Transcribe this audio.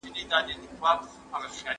ایا تاسي د سپوږمۍ د نیولو ننداره کړې ده؟